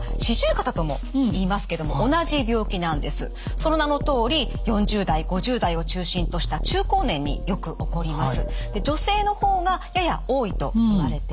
その名のとおり４０代５０代を中心とした中高年によく起こります。